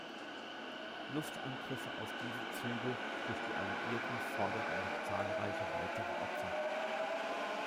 Luftangriffe auf diese Züge durch die Alliierten forderten noch zahlreiche weitere Opfer.